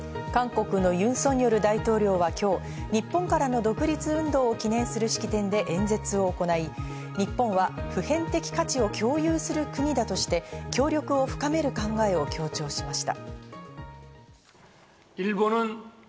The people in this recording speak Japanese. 韓国のユン・ソンニョル大統領は今日、日本からの独立運動を記念する式典で演説を行い、日本は普遍的価値を共有する国だとして、協力を深める考えを強調しました。